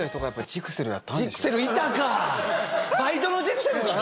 バイトのジクセルかな？